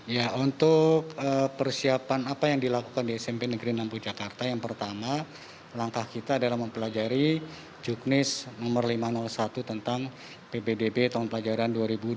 ya untuk persiapan apa yang dilakukan di smp negeri enam puluh jakarta yang pertama langkah kita adalah mempelajari juknis nomor lima ratus satu tentang ppdb tahun pelajaran dua ribu dua puluh